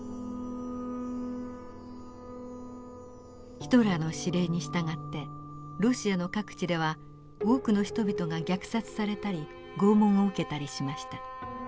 ヒトラーの指令に従ってロシアの各地では多くの人々が虐殺されたり拷問を受けたりしました。